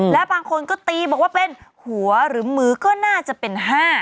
และบางคนก็ตีบอกว่าเป็นหัวหรือมือก็น่าจะเป็น๕